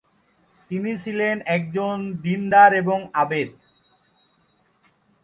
তিনি ছিলেন একজন দীনদার এবং আবেদ।